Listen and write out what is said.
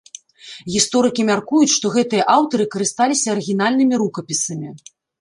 Гісторыкі мяркуюць, што гэтыя аўтары карысталіся арыгінальнымі рукапісамі.